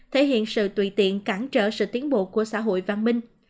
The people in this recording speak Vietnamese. thể hiện sự tùy tiện cản trở sự tiến bộ của xã hội văn minh